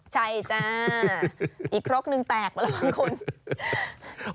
ใช่จ้าอีกครกนึงแตกมาแล้วบางคน